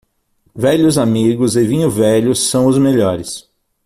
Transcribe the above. Velhos amigos e vinho velho são os melhores.